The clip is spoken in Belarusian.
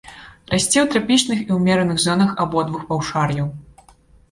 Расце ў трапічных і ўмераных зонах абодвух паўшар'яў.